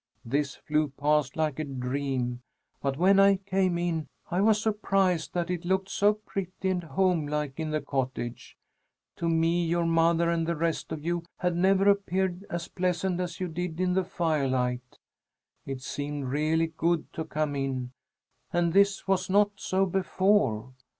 This flew past like a dream, but when I came in, I was surprised that it looked so pretty and homelike in the cottage. To me your mother and the rest of you had never appeared as pleasant as you did in the firelight. It seemed really good to come in, and this was not so before.